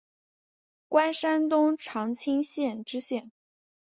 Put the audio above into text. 官山东长清县知县。